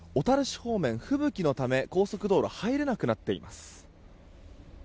方面、吹雪のため高速道路に入れなくなっています。